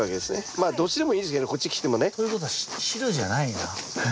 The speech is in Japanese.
まあどっちでもいいですけどこっち切ってもね。ということは白じゃないな。